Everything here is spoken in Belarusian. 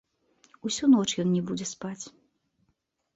Усю ноч ён не будзе спаць!